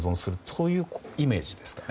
そういうイメージですか。